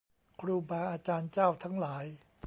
ครูบาอาจารย์เจ้าทั้งหลาย